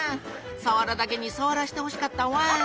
さわらだけにさわらしてほしかったわ。